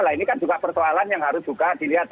nah ini kan juga persoalan yang harus juga dilihat